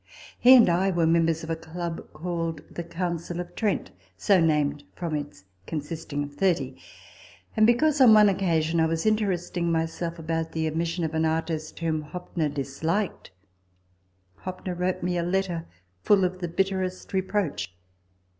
He and I were members of a club called the Council of Trent (so named from its consisting of thirty) ; and because, on one occasion, I was interesting myself about the admission of an artist whom Hoppner disliked, Hoppner wrote me a letter full of the bitterest reproach.